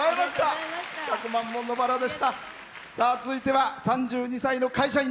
続いては３２歳の会社員。